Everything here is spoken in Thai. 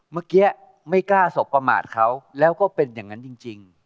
เมื่อกี้ไม่กล้าสบประมาทเขาแล้วก็เป็นอย่างนั้นจริง